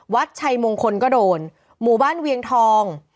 วัดชัยมงคลก็โดนหมู่บ้านเวียงทอง